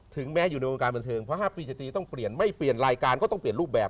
แม้อยู่ในวงการบันเทิงเพราะ๕ปีจะตีต้องเปลี่ยนไม่เปลี่ยนรายการก็ต้องเปลี่ยนรูปแบบ